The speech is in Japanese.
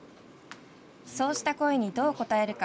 そうした声にどうこたえるか。